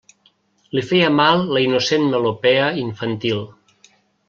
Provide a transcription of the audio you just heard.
Li feia mal la innocent melopea infantil.